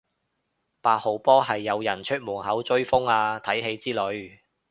八號波係有人出門口追風啊睇戲之類